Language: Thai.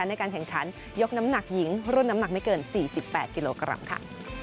ในการแข่งขันยกน้ำหนักหญิงรุ่นน้ำหนักไม่เกิน๔๘กิโลกรัมค่ะ